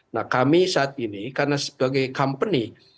nah kami saat ini karena sebagai company